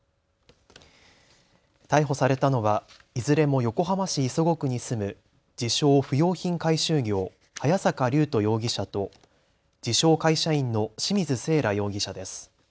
逮捕されたのはいずれも横浜市磯子区に住む自称・不用品回収業、早坂龍斗容疑者と自称・会社員の清水せいら容疑者です。